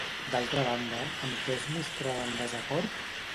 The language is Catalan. D'altra banda, amb què es mostrava en desacord?